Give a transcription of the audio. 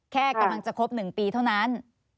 แค่กำลังจะครบ๑ปีเท่านั้น